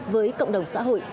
với cộng đồng xã hội